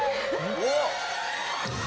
「おっ！」